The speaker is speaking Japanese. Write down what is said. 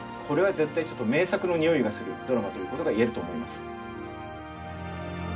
これは絶対ちょっと名作のにおいがするドラマということが言えると思います。